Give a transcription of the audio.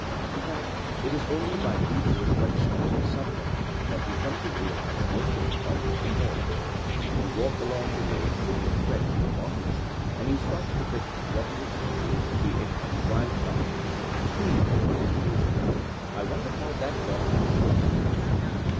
In fact, it is only by deep reflection on a sub ject that we come to realize most of the prob lems involved. You walk along the road with your friend the botanist and he stops to pick what looks to you to be a common wild flower. Hm,'' he muses, I wonder how that got in this part of the country?'